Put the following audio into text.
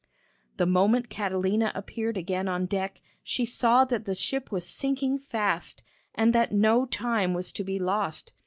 The moment Catalina appeared again on deck, she saw that the ship was sinking fast, and that no time was to be lost.